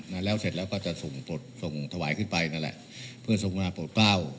แล้วเสร็จแล้วก็จะส่งปลดส่งถวายขึ้นไปนั่นแหละเพื่อส่งมาโปรดกล้า